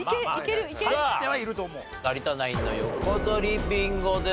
さあ有田ナインの横取りビンゴです。